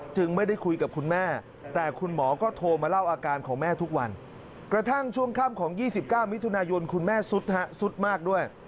ไม่ได้คุยกับคุณแม่แต่คุณหมอก็โทรมาเล่าอาการของแม่ทุกวันกระทั่งช่วงค่ำของ๒๙มิถุนายนคุณแม่สุดฮะสุดมากด้วย